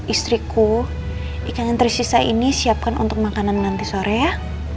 istriku ikan yang tersisa ini siapkan untuk makanan nanti sore ya